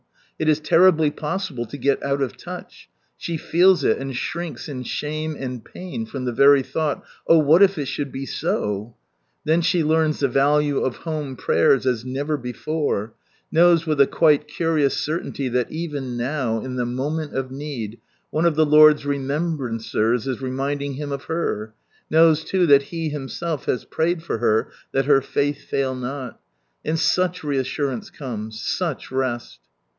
It is terribly possible to get out of touch. She feels it, and shrinks in shame and pain from the very thought, " Oh, what if it should be so I " Then she learns the value of home prayers as never before, knmvs with a quite curious certainly that even now, in the tnomenl oj need, one of the Lords rememhranters is reminding Him of her, knows too that He Himself has prayed for her that her faith fail not And such reassurance comes, such rest